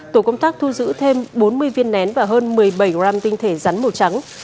tổ công tác thu giữ thêm bốn mươi viên nén và hơn một mươi bảy gram tinh thể rắn màu trắng